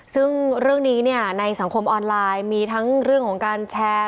ซึ่งเรื่องนี้ในสังคมออนไลน์มีทั้งเรื่องของการแชร์